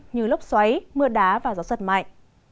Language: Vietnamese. như lốc xoáy mưa đá và gió giật mạnh